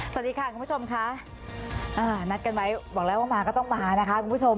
สวัสดีค่ะคุณผู้ชมค่ะอ่านัดกันไว้บอกแล้วว่ามาก็ต้องมานะคะคุณผู้ชม